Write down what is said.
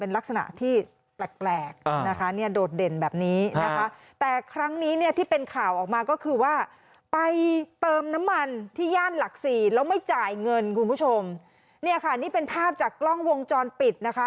แล้วไม่จ่ายเงินคุณผู้ชมเนี่ยค่ะนี่เป็นภาพจากกล้องวงจรปิดนะคะ